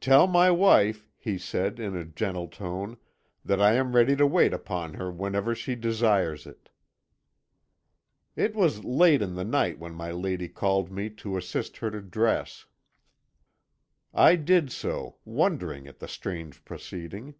"'Tell my wife,' he said, in a gentle tone, 'that I am ready to wait upon her whenever she desires it.' "It was late in the night when my lady called me to assist her to dress. I did so, wondering at the strange proceeding.